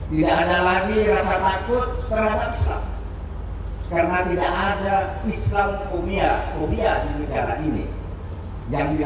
tidak ada lagi rasa takut terhadap islam